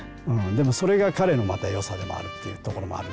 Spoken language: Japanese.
でもそれが彼のまた良さでもあるっていうところもあるし。